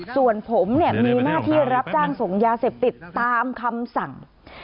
ส่วนผมมีหน้าที่รับจ้างส่งยาเสพติดตามคำสั่ง